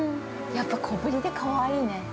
やっぱ小ぶりでかわいいね。